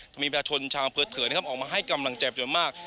จะมีประชาชนชาวอำเภอเถินนะครับออกมาให้กำลังใจจนมาก